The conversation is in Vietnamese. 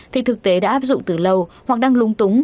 thì thực tế đã áp dụng từ lâu hoặc đang lung túng